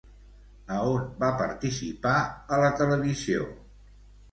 A on va participar a la televisió?